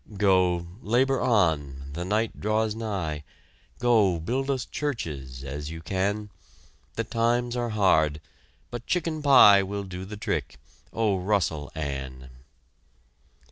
Go, labor on, the night draws nigh; Go, build us churches as you can. The times are hard, but chicken pie Will do the trick. Oh, rustle, Anne!